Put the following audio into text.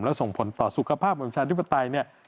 และส่งผลต่อสุขภาพประชาธิปไตย